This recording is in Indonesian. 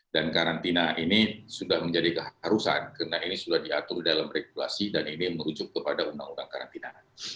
dan karantina ini sudah menjadi keharusan karena ini sudah diatur dalam regulasi dan ini merujuk kepada undang undang karantina